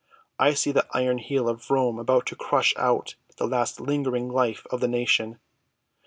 I see the iron heel of Rome about to crush out the last lingering life of the nation.